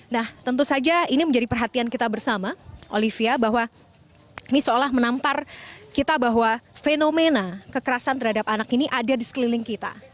nah tentu saja ini menjadi perhatian kita bersama olivia bahwa ini seolah menampar kita bahwa fenomena kekerasan terhadap anak ini ada di sekeliling kita